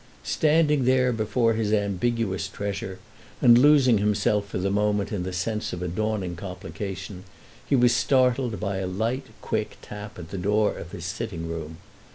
Standing there before his ambiguous treasure and losing himself for the moment in the sense of a dawning complication, he was startled by a light, quick tap at the door of his sitting room.